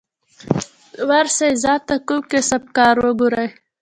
ورسئ ځان ته کوم کسب کار وگورئ.